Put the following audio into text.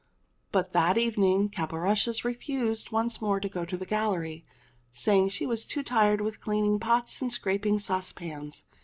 [But that evening Caporushes refused once more to go to the gallery, saying she was too tired with cleaning pots and scraping saucepans.